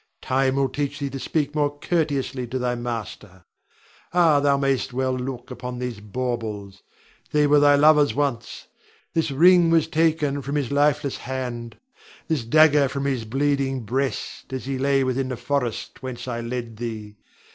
Time will teach thee to speak more courteously to thy master. Ah, thou mayst well look upon these bawbles. They were thy lover's once. This ring was taken from his lifeless hand; this dagger from his bleeding breast, as he lay within the forest whence I led thee.